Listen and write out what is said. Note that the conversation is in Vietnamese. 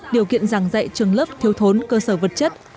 điều kiện giảng dạy trường lớp thiếu thốn cơ sở vật chất